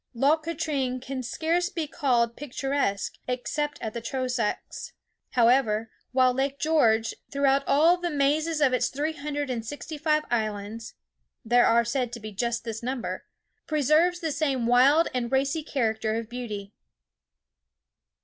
Loch Katrine can scarce be called picturesque, except at the Trosachs, however; while Lake George, throughout all the mazes of its three hundred and sixty five islands (there are said to be just this number), preserves the same wild and racy character of beauty.